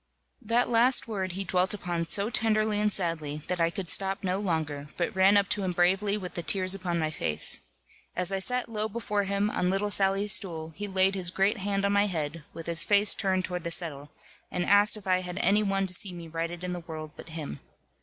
That last word he dwelt upon so tenderly and sadly, that I could stop no longer, but ran up to him bravely with the tears upon my face. As I sat low before him, on little Sally's stool, he laid his great hand on my head, with his face turned toward the settle, and asked if I had any one to see me righted in the world but him.